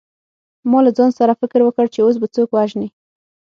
ما له ځان سره فکر وکړ چې اوس به څوک وژنې